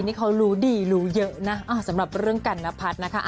นี่เขารู้ดีรู้เยอะนะสำหรับเรื่องกันนพัฒน์นะคะ